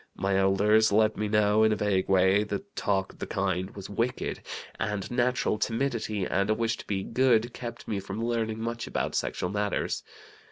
My elders let me know, in a vague way, that talk of the kind was wicked, and natural timidity and a wish to be 'good' kept me from learning much about sexual matters.